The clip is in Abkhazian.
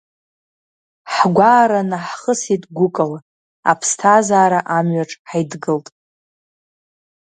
Ҳгәаара наҳхысит гәыкала, аԥсҭазаара амҩаҿ ҳаидгылт.